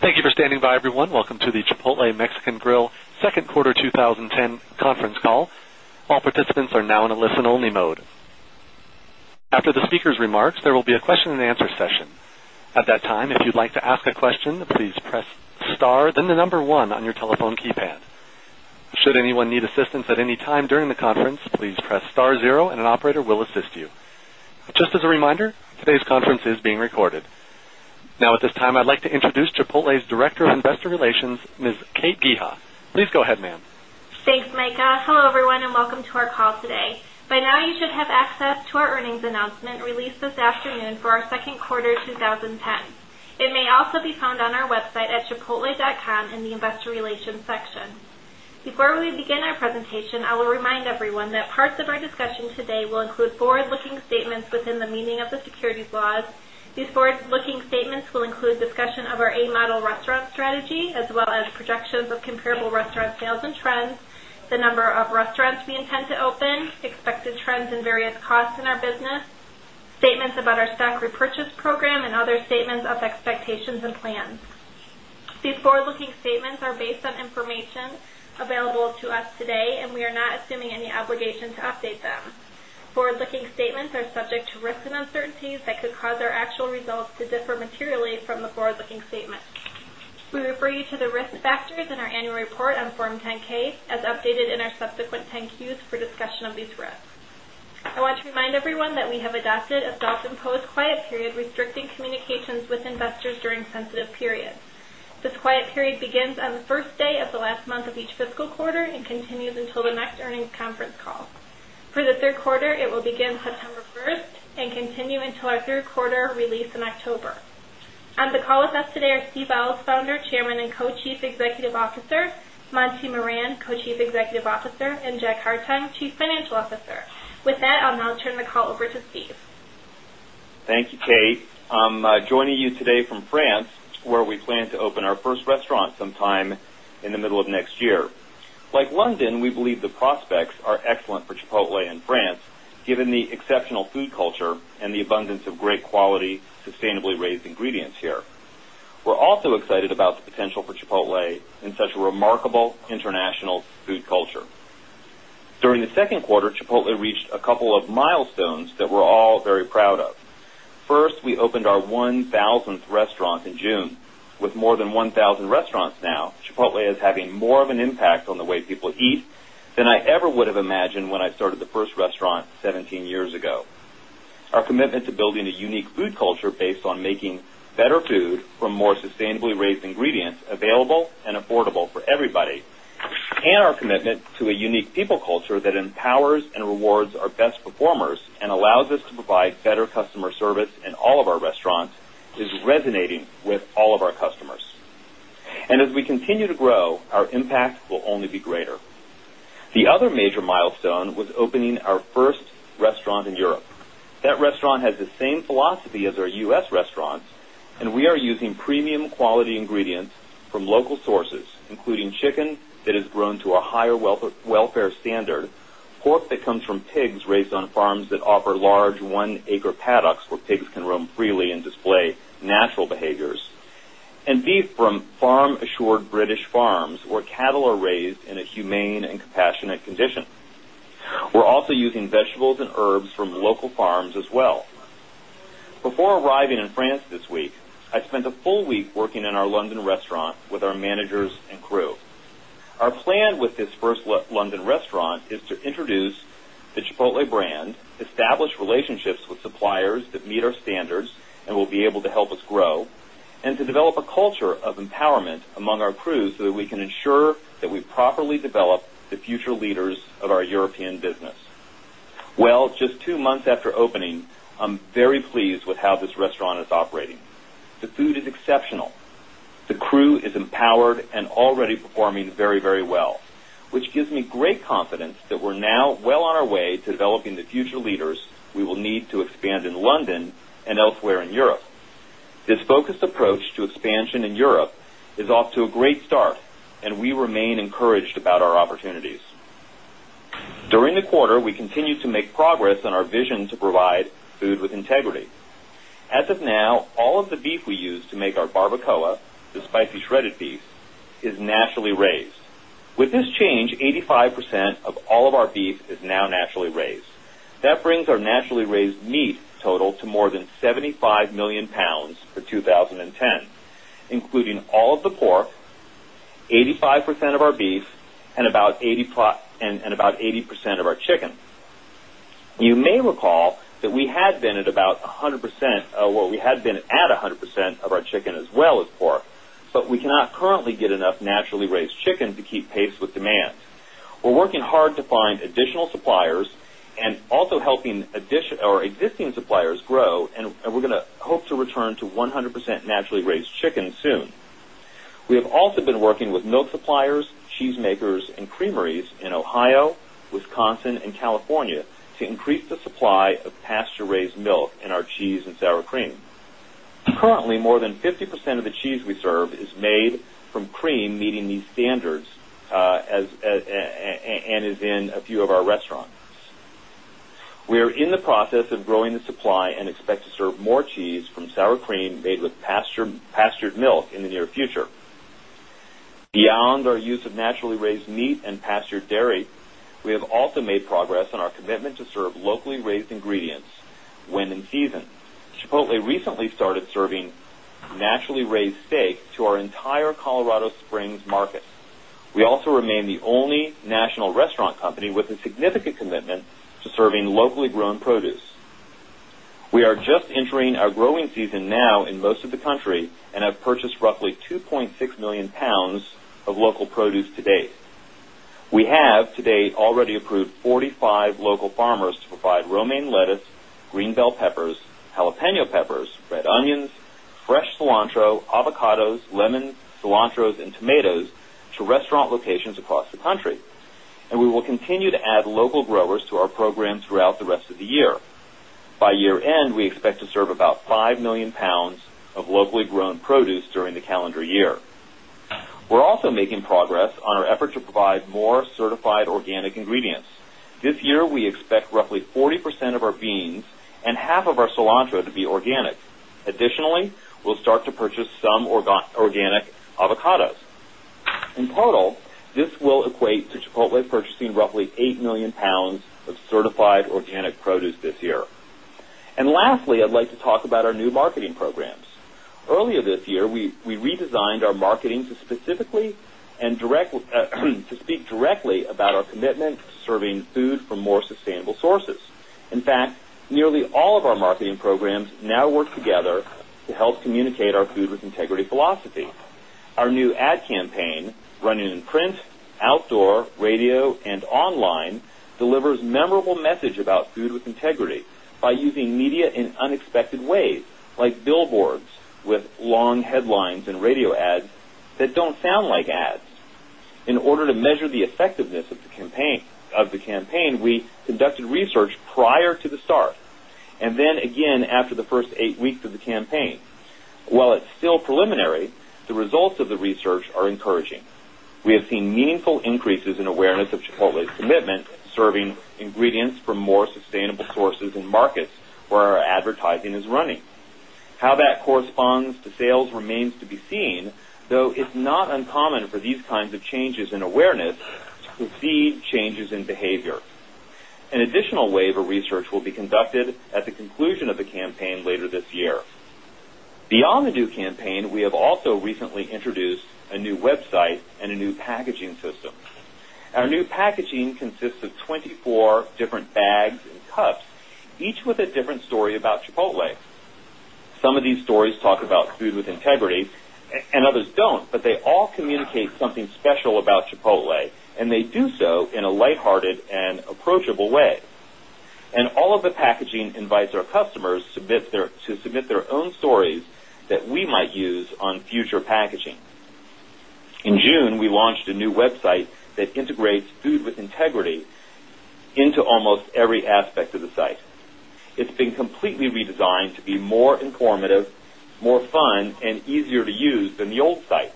Thank you for standing by everyone. Welcome to the Chipotle Mexican Grill Second Quarter 2010 Conference Call. All participants are now in a listen only mode. After the speakers' remarks, there will be a question and answer session. As a reminder, today's conference is being recorded. Now at this time, I'd like to introduce Chipotle's Director of Investor Relations, Ms. Geeha. Please go ahead, ma'am. Thanks, Micah. Hello, everyone, and welcome to our call today. By now, you should have access to our earnings announcement released this afternoon for our Q2 2010. It may also be found on our website at chipotle.com in the Investor Relations section. Before we begin our presentation, I will remind everyone that parts of our discussion today will include forward looking statements within the meaning of the securities laws. These forward looking statements will include discussion of our A Model restaurant strategy as well as projections of comparable restaurant sales and trends, the number of restaurants we intend to open, expected trends in various costs in our business, statements about our stock repurchase program and other statements of expectations and plans. And plans. These forward looking statements are based on information available to us today and we are not assuming any obligation to update them. Forward looking statements are subject to risks and uncertainties that could cause our actual results to differ materially from the forward looking statements. We refer you to the risk factors in our annual report on Form 10 ks as updated in our subsequent 10 Qs for discussion of these risks. I want to remind everyone that we have adopted a self imposed quiet period restricting communications with investors during sensitive periods. This quiet period begins on the 1st day of the last month of each fiscal quarter and continues until the next earnings conference call. For the Q3, it will begin September 1 and continue until our Q3 release in October. On the call with us today are Steve Ellis, Founder, Chairman and Co Chief Executive Officer Monty Moran, Co Chief Executive Officer and Jack Hartung, Chief Financial Officer. With that, I'll now turn the call over to Steve. Thank you, Kate. I'm joining you today from France, where we plan to open our first restaurant sometime in the middle of next year. Like London, we believe the prospects are excellent for Chipotle in France, given the exceptional food culture and the abundance of great quality sustainably raised ingredients here. We're also excited about the potential for Chipotle in such a remarkable international food culture. During the Q2, Chipotle reached a couple of milestones that we're all very proud of. First, we opened our 1 1000th restaurant in June with more than 1,000 restaurants now. Chipotle is having more of an impact on the way people eat than I ever would have imagined when I started the first restaurant 17 years ago. Our commitment to building a unique food culture based on making better food from more sustainably raised ingredients available and affordable for everybody and our commitment to a unique people culture that empowers and rewards our best performers and allows us to provide better customer service in all of our restaurants is resonating with all of our customers. And as we continue to grow, our impact will only be greater. The other major milestone was opening our first restaurant in Europe. That restaurant has the same philosophy as our U. S. Restaurants and we are using premium quality ingredients from local sources, including chicken that has grown to a higher welfare standard, pork that comes from pigs raised on farms that offer large 1 acre paddocks where pigs can roam freely and display natural behaviors, and beef from farm assured British farms where cattle are raised in a humane and compassionate condition. We're also using vegetables London restaurant with our managers and crew. Our plan with this first London restaurant is to introduce the Chipotle brand, establish relationships with suppliers that meet our standards and will be able to help us grow and to develop a culture of empowerment among our crews so that we can ensure that we properly develop the future leaders of our European business. Well, just 2 months after opening, I'm very pleased with how this restaurant is operating. The food is exceptional. The crew is empowered and already performing very, very well, which gives me great confidence that we're now well on our way to developing the future leaders we will need to expand in London and elsewhere in Europe. This focused approach to expansion in Europe is off to a great start and we remain encouraged about our of now, all of the beef we use to make our barbacoa, the spicy shredded beef is naturally raised. With this change, 85% of all of our beef is now naturally raised. That brings our naturally raised meat total to more than £75,000,000 for 20.10, including all of the pork, 85% of our beef and about 80% of our chicken. You may recall that we had been at about 100% or we had been at 100% of our chicken as well as pork, but we cannot currently get enough naturally raised chicken to keep pace with demand. We're working hard to find additional suppliers and also helping our existing suppliers grow and we're going to hope to return to 100% naturally raised chicken soon. We have also been working with milk suppliers, cheese makers and creameries in Ohio, Wisconsin and California to increase the supply of pasture raised milk in our cheese and sour cream. Cream. Currently, more than 50% of the cheese we serve is made from cream meeting these standards and is in a few of our restaurants. We are in the process of growing the supply and expect to serve more cheese from sour cream made with pastured milk in the near future. Beyond our use of naturally raised meat and pastured dairy, we have also made Colorado Springs market. We also remain the only national restaurant company with a significant commitment to serving locally grown produce. We are just entering our growing season now in most of the country and have purchased roughly £2,600,000 of local produce to date. We have today already approved 45 local farmers to provide romaine lettuce, green bell peppers, jalapeno peppers, red onions, fresh cilantro, avocados, lemons, cilantros and tomatoes to restaurant locations across the country. And we will continue to add local growers to our program throughout the rest of the year. By year end, we expect to serve about 5,000,000 pounds of locally grown produce during the calendar year. We're also making progress on our effort to provide more certified organic ingredients. This year, we expect roughly 40% of our beans and half of our cilantro to be organic. Additionally, we'll start to purchase some organic avocados. In total, this will equate to Chipotle purchasing roughly £8,000,000 of certified organic produce this year. And lastly, I'd like to talk about our new marketing programs. Earlier this year, we redesigned our marketing to speak directly about our commitment to serving food from more sustainable sources. In fact, nearly all of our marketing programs now work together to help communicate our food with integrity philosophy. Our new ad campaign, run in print, outdoor, radio and online delivers memorable message about food with integrity by using media in unexpected ways like of the campaign, we conducted research prior to the start and then again after the 1st 8 weeks of the campaign. While it's still preliminary, the results of the research are encouraging. We have seen meaningful increases in awareness of Chipotle's commitment, serving ingredients from more sustainable sources and markets where our advertising is running. How that corresponds to sales remains to be seen, though it's not uncommon for these kinds of changes in awareness to see changes in behavior. An additional wave of research will be conducted at the conclusion of the campaign later this year. Beyond the new campaign, we have also recently introduced a new website and a new packaging system. Our new packaging consists of 24 different bags and cups, each with a different story about Chipotle. Some of these stories talk about food with integrity and others don't, but they all communicate something special about Chipotle and they do so in a lighthearted and approachable way. And all of the packaging invites our customers to submit their own stories that we might use on future packaging. In June, we launched a new website that integrates food with integrity into almost every aspect of the site. It's been completely redesigned to be more informative, more fun and easier to use than the old site.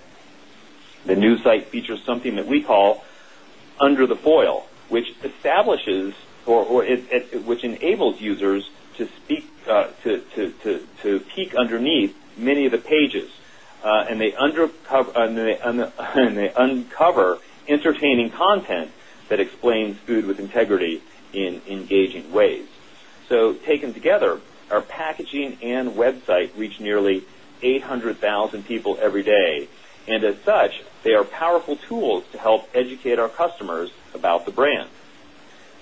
The new site features something that we call under the foil, which establishes or which enables users to speak to peek underneath many of the pages. Reach nearly 800,000 people every day, and as such, they are powerful tools to help educate our customers about the brand.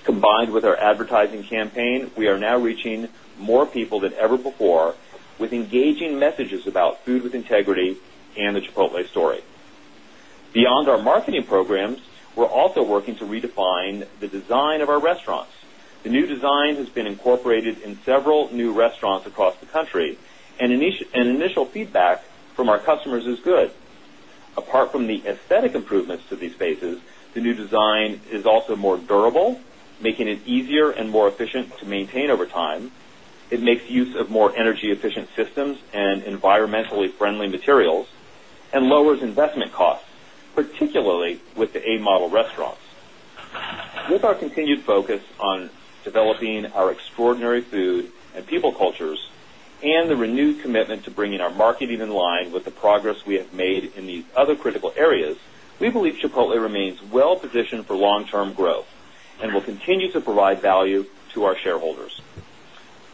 Combined with our advertising campaign, we are now reaching more people than ever before with engaging messages about food with integrity and the Chipotle story. Beyond our marketing programs, we're also working to redefine the design of our restaurants. The new design has been incorporated in several new restaurants across the country and initial feedback from our customers is good. Apart from the aesthetic improvements to these spaces, the new design is also more durable, making it easier and more efficient to maintain over time. It makes use of more energy efficient systems and environmentally friendly materials and lowers investment costs, particularly with the A Model restaurants. With our continued focus on developing our extraordinary food and people cultures and the renewed commitment to bringing our marketing line with the progress we have made in these other critical areas, we believe Chipotle remains well positioned for long term growth and will continue to provide value to our shareholders.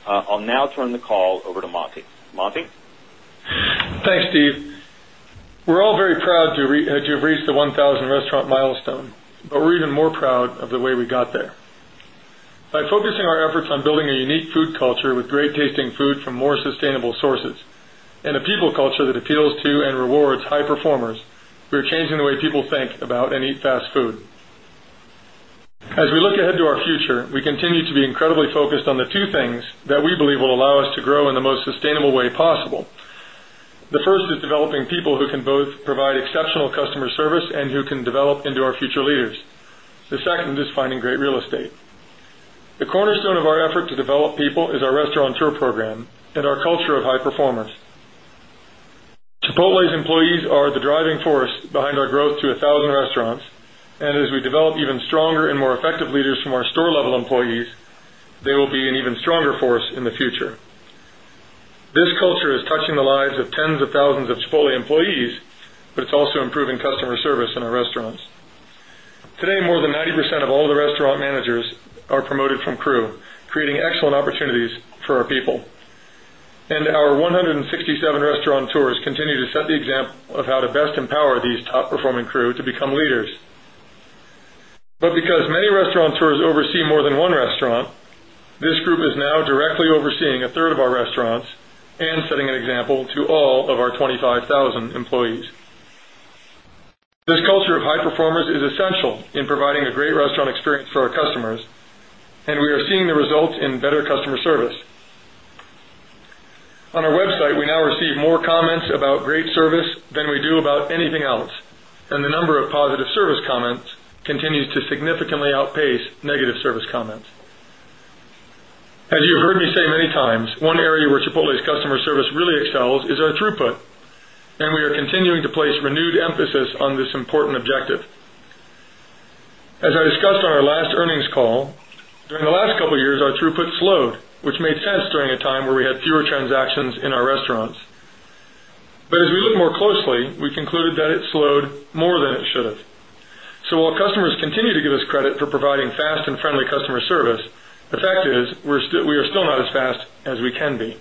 I'll now turn the call over to Monty. Monty? Thanks, Steve. We're all very proud to reach the 1,000 restaurant milestone, but we're even more proud of the way we got there. By focusing our efforts on building a unique food culture with great tasting food from more sustainable sources and a people culture that appeals to and rewards high performers, we are changing the way people think about and eat fast food. As we look ahead to our future, we continue to be incredibly focused on the two things that we believe will allow us to grow in the most sustainable way possible. The first is developing people who can both provide exceptional customer service and who can develop into our future leaders. The second is finding great real estate. The cornerstone of our effort to develop people is our restaurant stronger and more effective leaders from our store level employees, they will be an even stronger force in the future. This culture is touching the lives of tens of thousands of Scholle employees, but it's also improving customer service in our restaurants. Today, more than 90% of all the restaurant managers are promoted from crew, creating excellent opportunities for our people. And our 167 restaurant tours continue to set the example of how to best empower these top performing crew to become leaders. But because many restaurant tours oversee more than restaurant, this group is now directly overseeing a third of our restaurants and setting an example to all of our 25,000 employees. This culture of high performers is essential in providing a great restaurant experience for our customers, and we are seeing the results in better customer service. On our website, we now receive more comments about great service than we do about anything else and the number of positive service comments continues to significantly outpace negative service comments. As you've heard me say many times, one area where Chipotle's customer service really excels is our throughput, and we are continuing to place renewed emphasis on this important objective. As I discussed on our last earnings call, during the last couple of years, our throughput slowed, which made sense during a time where we had fewer transactions in our restaurants. But as we look more closely, we concluded that it slowed more than it should have. So, while customers continue to give us credit for providing fast and friendly customer service, the fact is, we are still not as fast as we can be.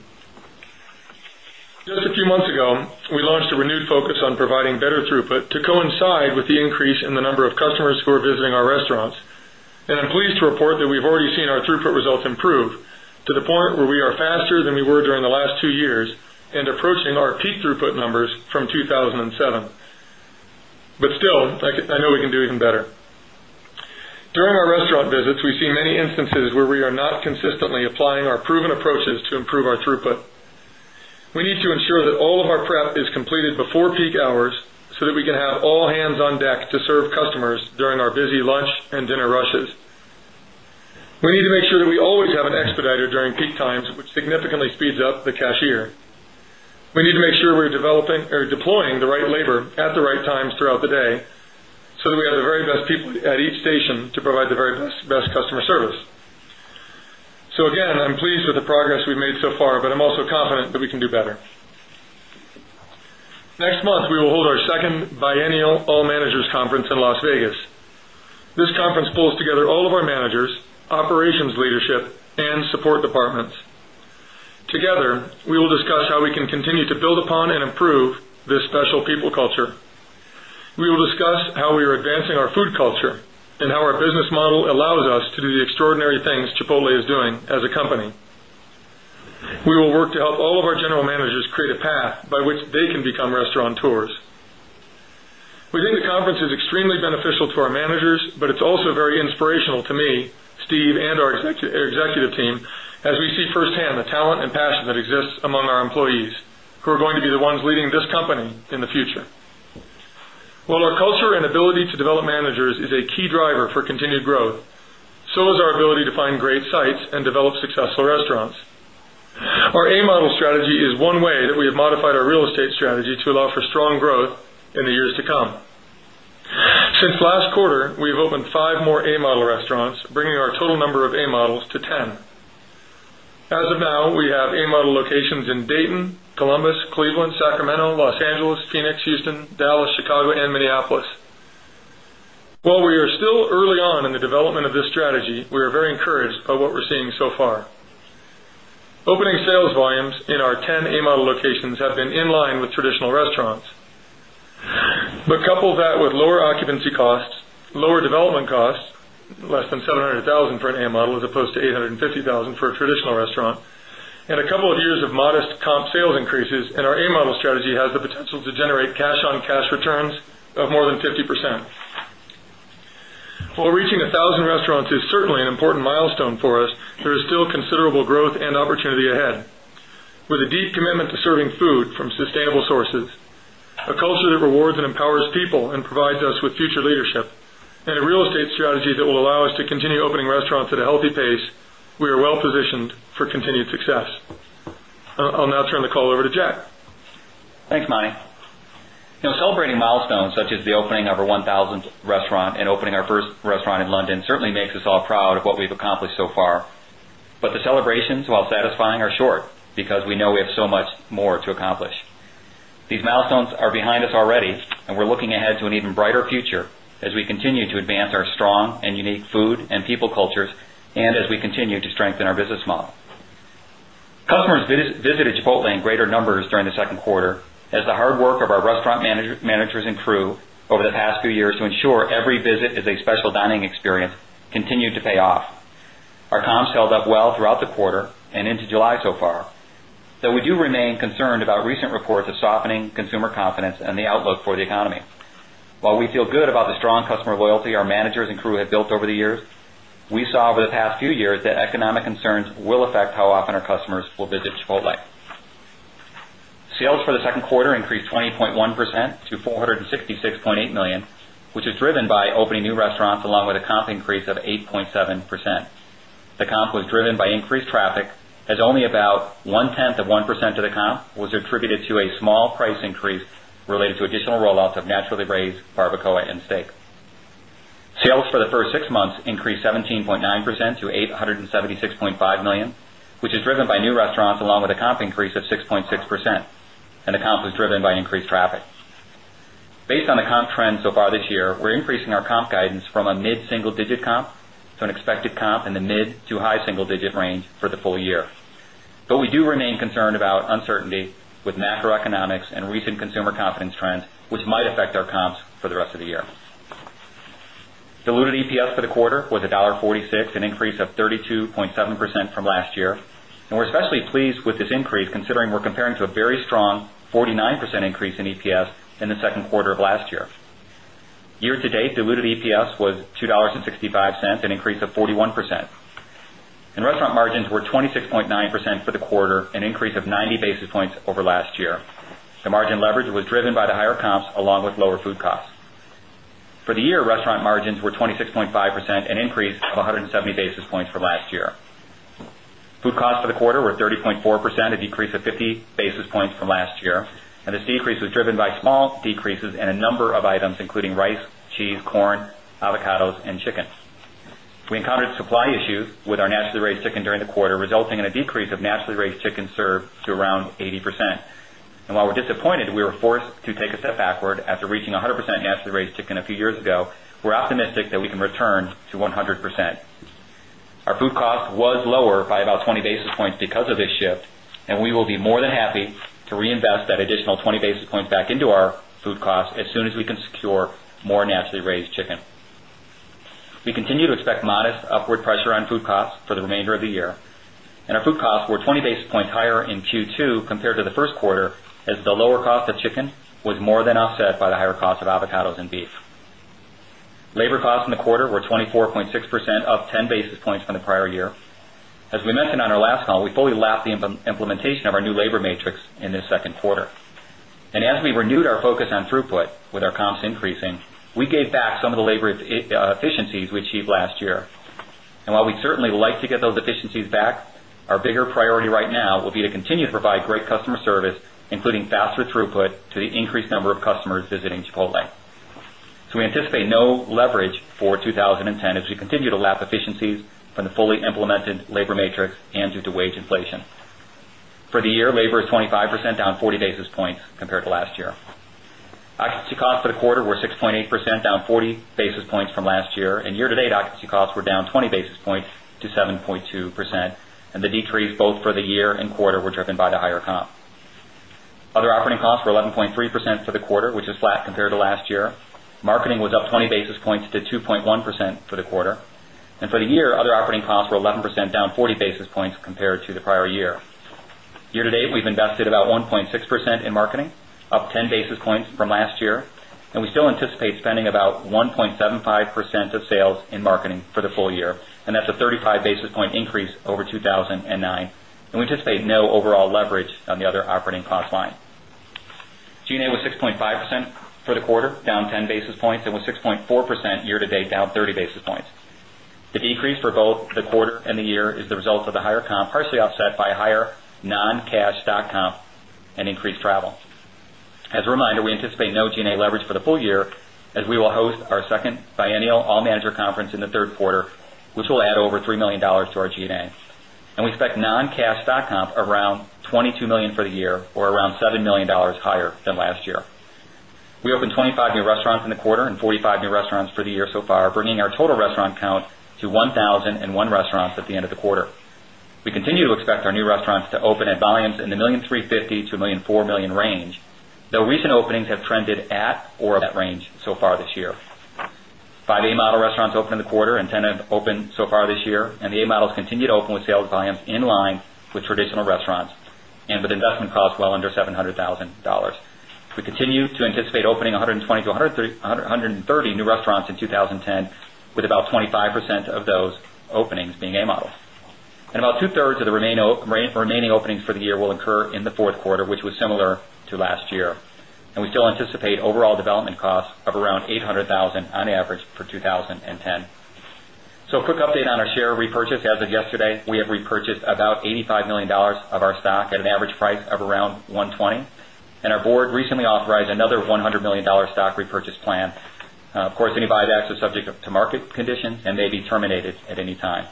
Just a few months ago, we launched a renewed focus on providing better throughput to coincide with the increase in the number of customers who are visiting our restaurants. And I'm pleased to report that we've already seen our throughput results improve to the point where we are faster than we were during the last 2 years and approaching our throughput numbers from 2,007. But still, I know we can do even better. During our restaurant visits, we see many instances where we are not consistently applying our proven approaches to improve our throughput. We need to ensure that all of our prep is completed before peak hours, so that we can have all hands on deck to serve customers during our busy lunch and dinner rushes. We need to make sure that we always have an expediter during peak times, which significantly speeds up the cashier. We need to make sure we're developing or deploying the right labor at the right times throughout the day, so that we have the very best people at each station to provide the very best customer service. So again, I'm pleased with the progress we've made so far, but I'm also confident that we can do better. Next month, we will hold our 2nd Biennial All Managers Conference in Las Vegas. This conference pulls together all of our managers, operations leadership and support departments. Together, we will discuss how we can continue to build upon and improve this special people culture. We will discuss how we are advancing our food culture and how our business model allows us to do the extraordinary things Chipotle is doing as a company. We will work to help all of our general managers create a path by which they can become restauranteurs. We think the conference is extremely beneficial to our managers, but it's also very inspirational to me, Steve and our executive team, as we see firsthand the talent and passion that exists among our employees, who are going to be the ones leading this company in the future. While our culture and ability to develop managers is a key driver for continued growth, so is our ability to find great sites and develop successful restaurants. Our A Model strategy is one way that we have modified our real estate strategy to allow for strong growth in the years to come. Since last quarter, we've opened 5 more A Model restaurants, bringing our total number of A Models to 10. As of now, we have A Model locations in Dayton, Columbus, Cleveland, Sacramento, Los Angeles, Phoenix, Houston, Dallas, Chicago and Minneapolis. While we are still early on in the development of this strategy, we are very encouraged by what we're seeing so far. Opening sales volumes in our 10 A Model locations have been in line with traditional restaurants. But couple that with lower occupancy costs, lower development costs, less than $700,000 for an A Model as opposed to 8 $50,000 for a traditional restaurant and a couple of years of modest comp sales increases and our A Model strategy has the potential to generate cash on cash returns of more than 50%. While reaching a 1,000 restaurants is certainly an important milestone for us, there is still considerable growth and opportunity ahead. With a deep commitment to serving food from sustainable sources, a culture that rewards and empowers people and provides us with future leadership and a real estate strategy that will allow us to continue opening restaurants at a healthy pace, we are well positioned for continued success. I'll now turn the call over to Jack. Thanks, Mani. Celebrating milestones such as the opening of our 1,000 restaurant and opening our first restaurant in London certainly makes us all proud of what us already and we're looking ahead to an even brighter future as we continue to advance our strong and unique food and people cultures and as we continue to strengthen our business model. Customers visited Chipotle in greater numbers during the Q2 as the hard work of our restaurant managers and crew over the past few years to ensure every visit is a special dining experience continued to pay off. Our comps held up well throughout the quarter and into July so far. Though we do remain concerned about recent reports of softening consumer confidence and the outlook for the economy. While we feel good about the strong customer loyalty our managers and crew have built over the years, we saw over the past few years that economic concerns will affect how often our customers will Chipotle. Sales for the 2nd quarter increased 20.1 percent to $466,800,000 which is driven by opening new restaurants along with comp increase of 8.7%. The comp was driven by increased traffic as only about 1 tenth of 1% of the comp was attributed to a small price increase related to additional rollouts of naturally raised barbacoa and steak. Sales for the 1st 6 months increased 17.9% to 876,500,000 dollars which is driven by new restaurants along with a comp increase of 6.6 percent and the comp was driven by increased traffic. Based on the comp trend so far this year, we're increasing our comp guidance from a mid single digit comp to an expected comp in the mid to high single digit range for the full year. But we do remain concerned about uncertainty with macroeconomics and consumer confidence trends, which might affect our comps for the rest of the year. Diluted EPS for the quarter was $1.46 an increase of 32.7 percent from last year and we're especially pleased with this increase considering we're comparing to a very strong 49% increase in EPS in quarter of last year. Year to date diluted EPS was $2.65 an increase of 41%. And restaurant margins were 26.9 percent for the quarter, an increase of 90 basis points over last year. The margin leverage was driven by the higher comps along with lower food costs. For the year, restaurant margins were 26.5 percent, an increase of 170 basis points from last year. Food costs for the quarter were 30.4%, a decrease of 50 basis points from last year and this decrease was driven by small decreases in a number of items including rice, cheese, corn, and chicken. We encountered supply issues with our naturally raised chicken during the quarter resulting in a decrease of naturally raised chicken served to around 80%. And while we're disappointed, we forced to take a step backward after reaching 100 percent naturally raised chicken a few years ago, we're optimistic that we can return to 100%. Our food cost was lower by about 20 basis points because of this shift and we will be more than happy to reinvest that additional 20 basis points back into our food cost as soon as we can secure more naturally raised chicken. We continue to expect modest upward pressure on food costs for the remainder of the year and our food costs were 20 basis points higher in Q2 compared to the Q1 as the lower cost of chicken was more than offset by the higher cost of avocados and beef. Costs in the quarter were 24.6 percent, up 10 basis points from the prior year. As we mentioned on our last call, we fully lapped the implementation of our new labor matrix in this second quarter. And as we renewed our focus on throughput with our comps increasing, we gave back some of the labor efficiencies we achieved last year. And while we certainly like to get those efficiencies back, our bigger priority right now will be to continue to provide great customer service including faster throughput to the increased number of customers visiting Chipotle. So we anticipate no leverage for 2010 as we continue to lap efficiencies from the fully implemented labor matrix and due to wage inflation. For the year, labor is 25 percent, down 40 basis points compared to last year. Occupancy costs for the quarter were 6.8%, down 40 basis points from last year and year to date occupancy costs were down 20 basis points to 7.2 percent and the decrease both for the year and quarter were driven by the higher comp. Other operating costs were 11.3% for the which is flat compared to last year. Marketing was up 20 basis points to 2.1% for the quarter. And for the year, other operating costs were 11%, down 40 basis points compared to the prior year. Year to date, we've invested about 1.6% in marketing, up 10 basis points from last year, and we still anticipate spending about 1.75 percent of sales in marketing for the full year and that's a 35 basis point increase over 2,009 and we anticipate no overall leverage on the other operating cost line. G and A was 6.5% for the quarter, down 10 basis points and was 6.4% year to date, down 30 basis points. The decrease for both the quarter and year is the result of the higher comp, partially offset by higher non cash stock comp and increased travel. As a reminder, we anticipate no G and A leverage for the full year as we will host our 2nd biennial All Manager Conference in the Q3, which will add over $3,000,000 to our G and A. And we expect non cash stock comp around $22,000,000 for the year or around $7,000,000 higher than last year. We opened 25 new restaurants in the quarter and 45 new restaurants for the year so far, bringing our total restaurant count to 1,001 restaurants at the end of the quarter. We continue to expect our new restaurants to open at volumes in the 1,350,000,000 to 1,400,000 range, though recent openings have trended at or in that range so far this year. 5 A Model restaurants opened in the quarter and 10 have opened so far this year and the A Models continue to open with sales volumes in line with traditional restaurants and with investment costs well under $700,000 We continue to anticipate opening 120 to 130 new restaurants in 2010 with about 25 percent of those openings being A models. And about 2 thirds of the remaining openings for the year will incur in the Q4, which was similar to last year. And we still anticipate overall development costs of around $800,000 on average for 20 10. So a quick update on our share repurchase. As of yesterday, we have repurchased about $85,000,000 of our stock at an average price of around $120,000,000 and our Board recently authorized another $100,000,000 stock repurchase plan. Of course, any buybacks are subject to market conditions and may be terminated at any time.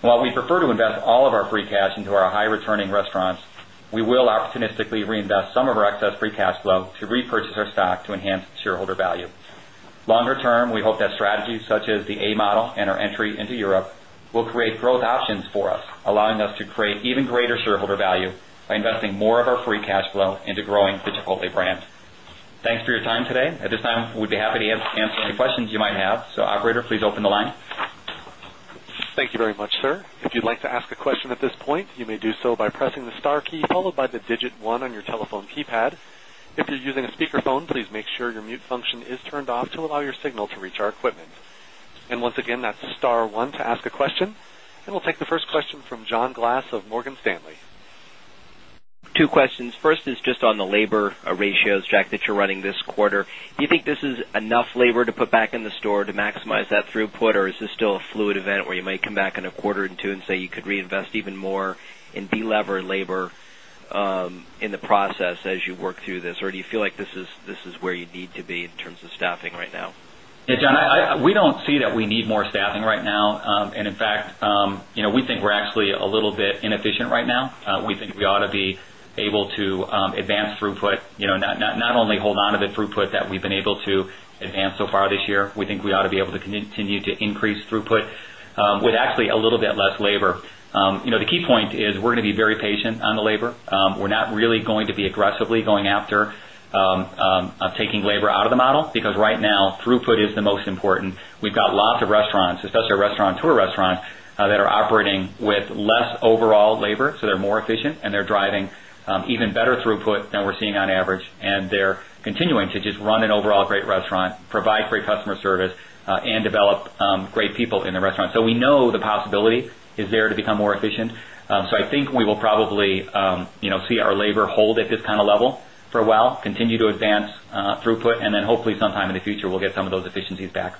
While we prefer to invest all of our free cash into our high returning restaurants, we will opportunistically reinvest some of our excess free cash flow to repurchase our stock to enhance shareholder value. Longer term, we hope that strategies such as the A model and our entry into Europe will create growth options for us, allowing us to create even greater shareholder value by investing more of our free cash flow into growing the Chipotle brand. Thanks for your time today. At this time, we'd be happy to answer any questions you might have. So operator, please open the line. Thank you And we'll And we'll take the first question from John Glass of Morgan Stanley. Two questions. First is just on the labor ratios, Jack, that you're running this quarter. Do you think this is enough labor to put back in the store to maximize that throughput? Or is this still a fluid event where you might come back in quarter and 2 and say you could reinvest even more and delever labor in the process as you work through this? Or do you feel like this is where you need to be in terms of staffing right now? John, we don't see that we need more staffing right now. And in fact, we think we're actually a little bit inefficient right now. We We ought to be able to advance throughput, not only hold on to the throughput that we've been able to advance so far this year, we think we ought to be able to continue to increase throughput with actually a little bit less labor. The key point is we're going to be very patient on the labor. We're not really going to aggressively going after taking labor out of the model because right now throughput is the most important. We've got lots of restaurants, especially restaurant tour that are operating with less overall labor. So they're more efficient and they're driving even better throughput than we're seeing on average and they're continuing to just run an overall great restaurant, provide great customer service and develop great people in the restaurant. So we know the possibility is there to become more efficient. So I think we will probably see our labor hold at this kind of level for a while, continue to advance throughput and then hopefully sometime in the future we'll get some of those efficiencies back.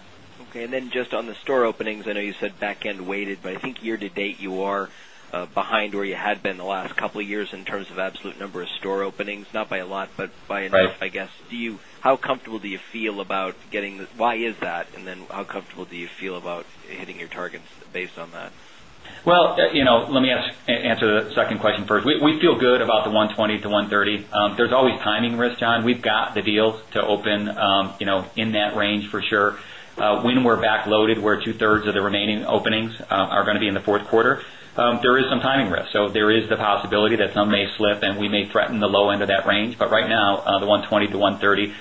Okay. And then just on the store openings, I know you said back end weighted, but I think year to date you are behind where you had been in the last couple years in terms of absolute number of store openings, not by a lot, but by enough I guess. Do you how comfortable do you feel about getting this? Why is that? And then how comfortable do you feel about hitting your targets based on that? Well, to 130. There's always timing risk, John. We've got the deals to open in that range for sure. When we're back loaded where 2 thirds of the remaining openings are going in the Q4, there is some timing risk. So there is the possibility that some may slip and we may threaten the low end of that range. But right now, the 120 to 130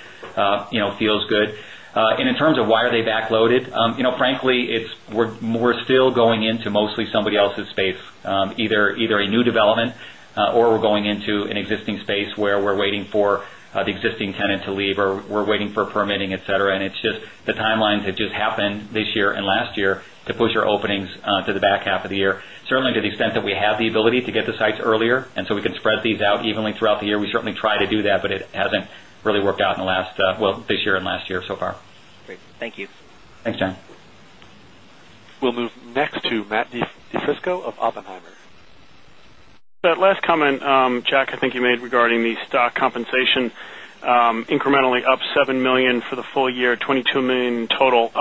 feels good. And in terms of why are they back loaded, frankly, we're still going into mostly somebody else's space, either a new development or we're going into an existing space where we're waiting for the existing tenant to leave or we're waiting for permitting etcetera. It's just the timelines have just happened this year and last year to push our openings to the back half of the year. Certainly to the extent that we have the ability to get the sites earlier and so can spread these out evenly throughout the year. We certainly try to do that, but it hasn't really worked out in the last well, this year and last year so far. Great. Thank you. Thanks, John. We'll move next to Matt DiCisco of Oppenheimer. That last comment, Jack, I think you made regarding the stock compensation, incrementally up $7,000,000 for the full year, dollars 22,000,000 total.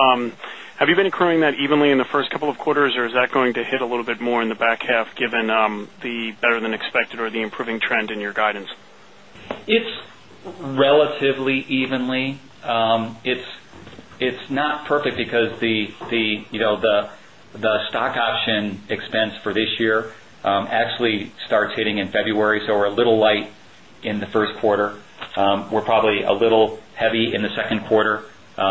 Have you been accruing that evenly in the 1st couple of quarters? Or is that going to hit a little bit more in the back half given the better than expected or the improving trend in your guidance? It's relatively evenly. It's not perfect because the stock option expense for this year actually starts hitting the Q2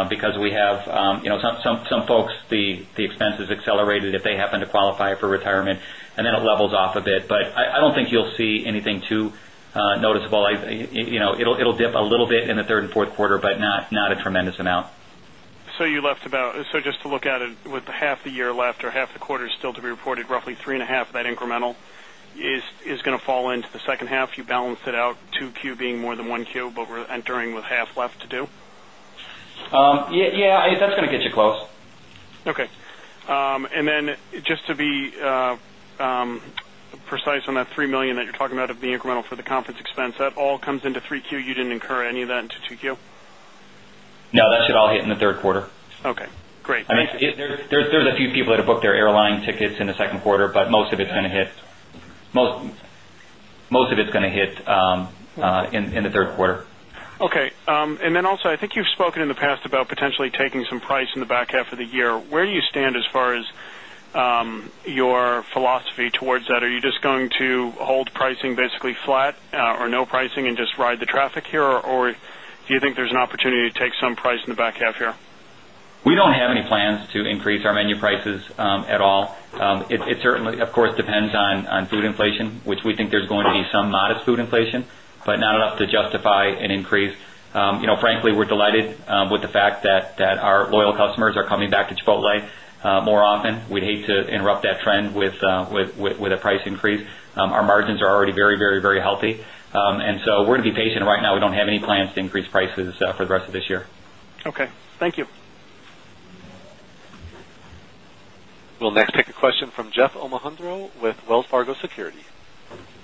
because we have some folks the expenses accelerated if they happen to qualify for retirement and then it levels off a bit. But I don't think you'll see anything too noticeable. It'll dip a little bit in the 3rd Q4 but not a tremendous amount. So you So just to look at it with the half the year left or half the quarter still to be reported, roughly 3.5 of that incremental is going to fall into the second half, you balance it out 2Q being more than 1Q, but we're entering with half left to do? Yes, that's going to get you close. Okay. And then any of that into 2Q? No, that should all hit in the Q3. Okay, great. I mean, there's a few people that have booked their airline tickets in the Q2, but most of it's going to hit in the Q3. Okay. And then also, I think you've spoken in the past about potentially taking some price in the back half of the year. Where do you stand as far as your philosophy towards that? Are you just going to hold pricing basically flat or no pricing and just ride the traffic here? Or do you think there's an opportunity to take some price in the back half here? We don't have any plans to increase our menu prices at all. It certainly of course depends on food inflation, which we think there's going to be some modest food inflation, but not enough to justify an increase. Frankly, we're delighted with the fact that our loyal customers are coming back to Chipotle more often. We hate to interrupt that trend with a price increase. Our margins are already very, very, very healthy. And so we're going to be patient right now. We don't have any plans to increase prices for the rest of this year. Okay. Thank you. We'll next take a question from Jeff with Wells Fargo Securities.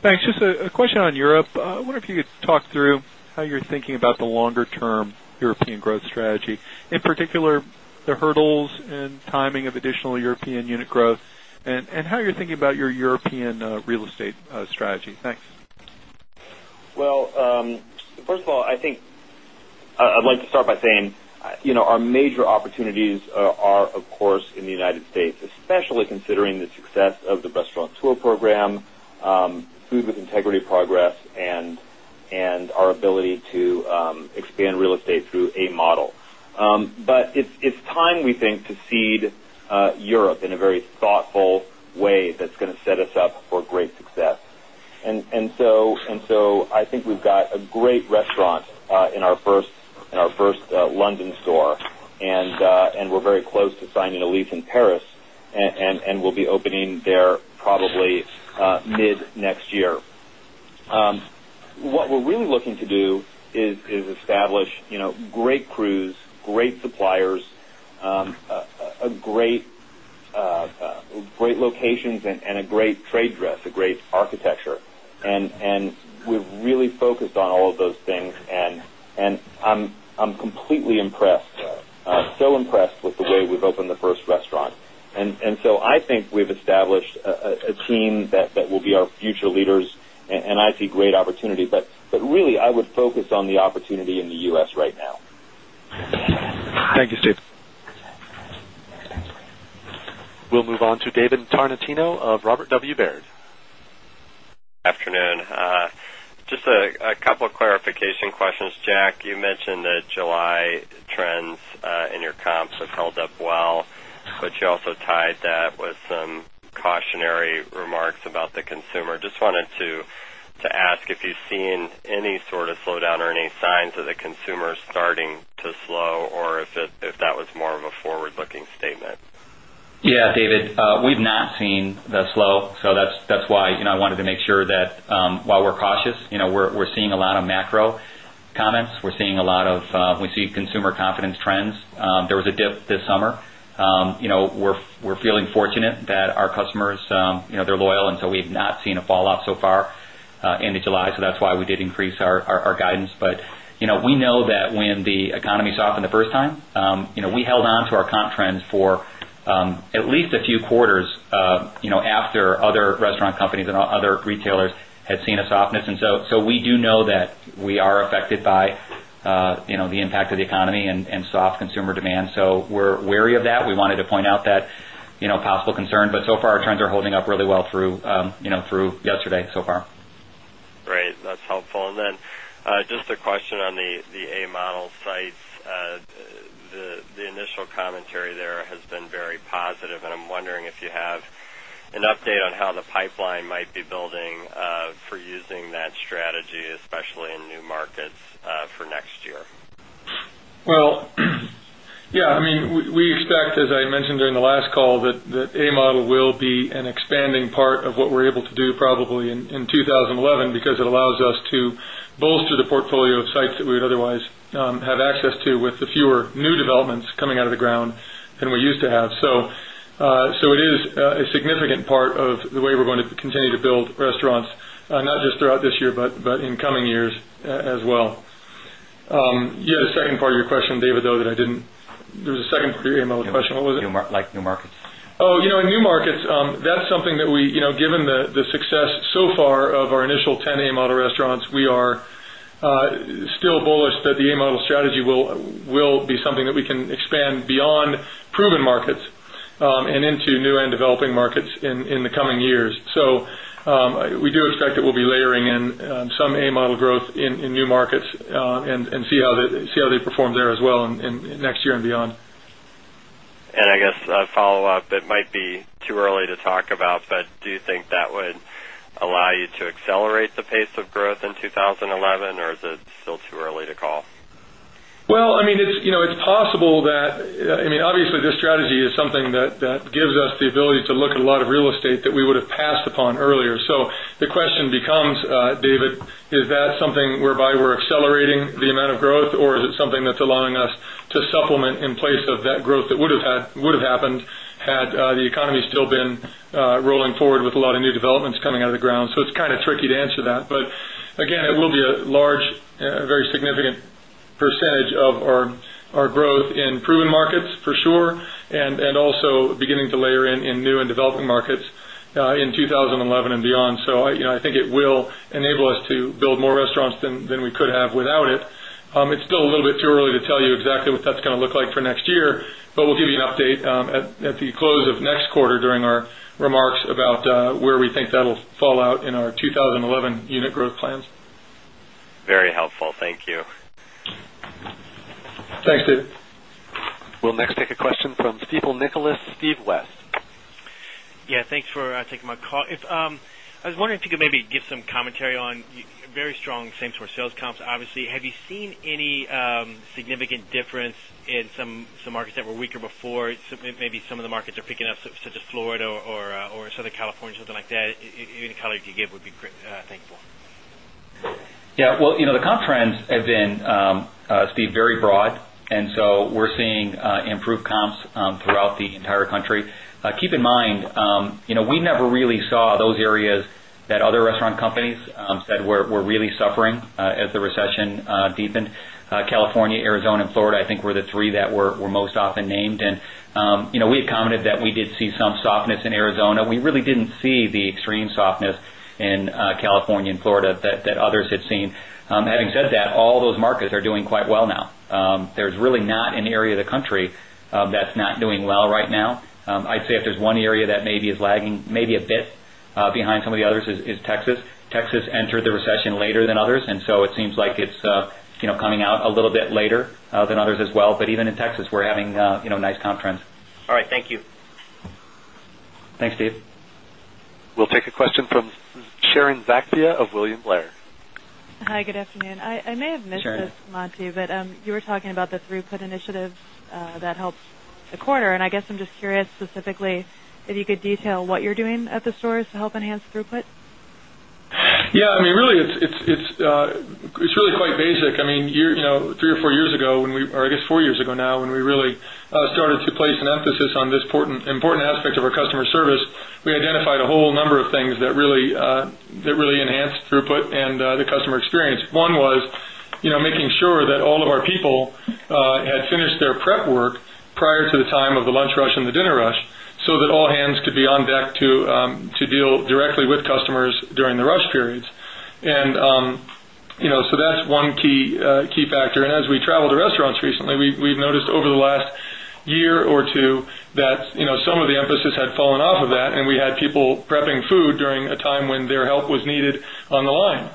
Thanks. Just a question on Europe. I wonder if you could talk through how you're thinking about the longer term European growth strategy, in particular the hurdles and timing of additional European unit growth and how you're thinking about your European real estate strategy? Thanks. Well, first of all, I think I'd like to start by saying, our major opportunities are, of course, in the United States, especially considering the success of the Restaurant Tour program, food with integrity progress and our ability to expand real estate through a model. But it's time we think to seed Europe in a very thoughtful way that's going to us up for great success. And so I think we've got a great restaurant in our London store and we're very close to signing a lease in Paris and we'll be opening there probably mid next year. What we're really looking to do is establish great crews, great suppliers, great locations and a great trade dress, a great architecture. And we're really focused on all of those things. And I'm completely impressed, so impressed with the way we've opened the first restaurant. And so I think we've established a team that will be our future leaders and I see great opportunity. But really I would focus on the opportunity in the U. S. Right now. Thank you, Steve. We'll move on to David Tarnettino of Robert W. Baird. Afternoon. Just a couple of clarification questions. Jack, you mentioned that July trends in your comps have held up well, but you also tied that with some cautionary remarks about the consumer. Just wanted to ask if you've seen any sort of slowdown or any signs of the consumers starting to slow or if that was more of a forward looking statement? Yes, David. We've not seen the slow. So that's why I wanted to make sure that while we're cautious, we're seeing a lot of macro comments. We're seeing a lot of we see consumer confidence trends. There was a dip this summer. We're feeling fortunate that our customers, they're loyal and so we've not seen a fall off so far into July. So that's why we did increase our guidance. But we know that when the economy softened the first time, we held on to our comp trends for at least a few quarters after other restaurant companies and other retailers had seen a softness. And so we do know that we are affected by the impact of the economy and soft consumer demand. So we're wary of that. We wanted to point out that possible concern, but so far our trends are holding up really well through yesterday so far. Great. That's helpful. And then just a question on the A Model sites. The initial commentary there has been very positive. And I'm wondering if you have an update on how the pipeline might be building for using that strategy, especially in new markets for next year? Well, yes, I mean, we expect, as I mentioned during the last call, that A Model will be an expanding part of what we're able to do probably in 2011 because it allows us to bolster the portfolio of sites that we would otherwise have access to with the of sites that we would otherwise have access to with the fewer new developments coming out of the ground than we used to have. So it is a significant part of the way we're going to continue to build restaurants, not just throughout this year, but in coming years as well. You had a second part of your question, David, though that I didn't there's a second part of your question, what was it? Like new markets. In new markets, that's something that we given the success so far of our initial 10 A Model restaurants, we are still bullish that the A Model strategy will be something that we can expand beyond proven markets and into new and developing markets in the coming years. So, we do expect that we'll be layering in some A Model growth in new markets and see how they perform there as well in next year and beyond. And I guess a follow-up, it might be too early to talk about, but do you think that would allow you to accelerate the pace of growth in 2011 or is it still too early to call? Well, I mean it's possible that I mean obviously this strategy is something that gives us the ability to look at a lot of real estate that we would have passed upon earlier. So the question becomes, David, is that something whereby we're accelerating the amount of growth or is it something that's allowing us to supplement in place of that growth that would have happened had the economy still been rolling forward with a lot of new developments coming out of the ground. So it's kind of tricky to answer that. But again, it will be a large, very significant percentage of our growth in proven markets for sure and also beginning to layer in new and developing markets in 2011 and beyond. So I think it will enable us to more restaurants than we could have without it. It's still a little bit too early to tell you exactly what that's going to look like for next year, but we'll give you an update at the close of next quarter during our remarks about where we think that will fall out in our 2011 unit growth plans. We'll next take a question from Steve Nicolai, Steve West. Yes, thanks for taking my call. I was wondering if you could maybe give some commentary on very strong same store sales comps, obviously. Have you seen any significant difference in some markets that were weaker before, maybe some of the markets are picking up such as Florida or Southern California, something like that. Any color you give would be great. Thank you. Yes. Well, the comp trends have been, Steve, very broad. And so we're seeing improved comps throughout the entire country. Keep in mind, we never really saw those areas that other restaurant companies said were really suffering as the recession deepened. California, Arizona and Florida, I think were the 3 that were most often named. And we had commented that we did see some softness in Arizona. We really didn't see the extreme softness in California and Florida that others had seen. Having said that, all those markets are doing quite well now. There's really not an area of the country that's not doing well right now. I'd say if there's one area that maybe is lagging maybe a bit behind some of the others is Texas. Texas entered the recession later than others and so it seems like it's coming out a little bit later than others as well. But even in Texas, we're having nice comp trends. All right. Thank you. Thanks, Steve. We'll take a question from Sharon Zackfia of William Blair. Hi, good afternoon. I may have missed this, Manthia, but you were talking about the throughput initiatives that helped the quarter. And I guess I'm just curious specifically if you could detail what you're doing at the stores to help enhance throughput? Yes, I mean really it's really quite basic. I mean 3 or 4 years ago when we or I guess 4 years ago now when we really started to place an emphasis on this important aspect of our customer service, we identified a whole number of things that really enhanced throughput and the customer experience. One was making sure that all of our people had finished their prep work prior to the time of the lunch rush and the dinner rush, so that all hands could be on deck to deal directly with customers during the rush periods. And so that's one key factor. And as we travel to restaurants recently, we've noticed over the last year or 2 that some of the emphasis had fallen off of that and we had people prepping food during a time when their help was needed on the line.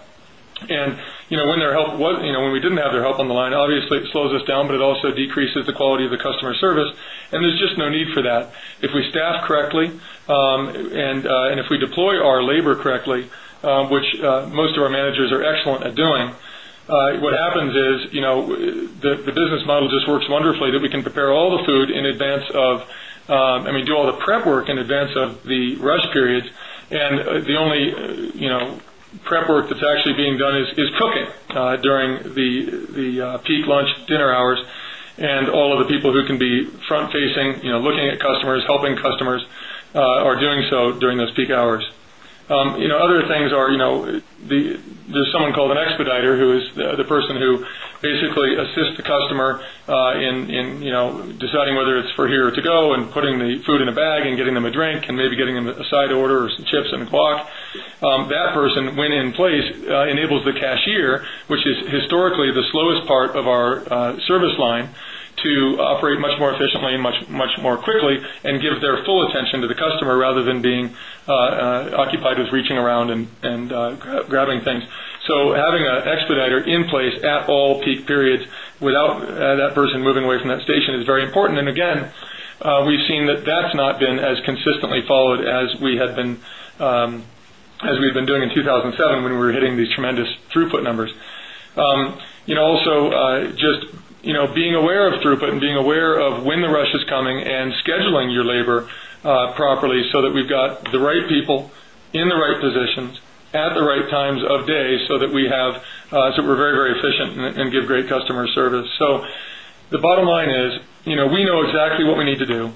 And when their help was when we didn't have their help on line, obviously it slows us down, but it also decreases the quality of the customer service and there's just no need for that. If we staff correctly and if we deploy our labor correctly, which most of our managers are excellent at doing, what happens is the business model just works wonderfully that we can prepare all the food in advance of I mean, do all the prep work in advance of the rush periods. And the only prep work that's actually being done is cooking during the peak lunch, dinner hours and all of the people who can be front facing, looking at customers, helping customers are doing so during those peak hours. Other things are, there's someone called an expediter who basically assists the customer in deciding whether it's for here to go and putting the food in a bag and getting them a drink and maybe getting them a side order or chips and a clock, that person went in place, enables the cashier, which is historically the slowest part of our service line to operate much more efficiently and much more much more efficiently and much more quickly and give their full attention to the customer rather than being occupied with reaching around and grabbing things. So having an expediter in place at all peak periods without that person moving away from that station is very important. And again, we've seen that that's not been as consistently followed as we had been doing in 2,007 when we were hitting these tremendous through throughput numbers. Also just being aware of throughput and being aware of when the rush is coming and scheduling your labor So, the bottom line is, we know exactly what we need to do. So the bottom line is, we know exactly what we need to do.